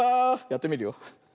やってみるよ。